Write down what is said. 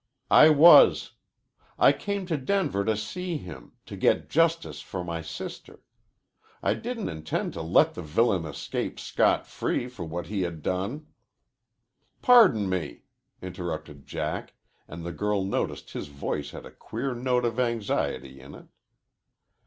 "I was. I came to Denver to see him to get justice for my sister. I didn't intend to let the villain escape scot free for what he had done." "Pardon me," interrupted Jack, and the girl noticed his voice had a queer note of anxiety in it.